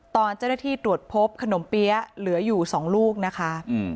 ตอนเจ้าหน้าที่ตรวจพบขนมเปี๊ยะเหลืออยู่๒ลูกนะคะ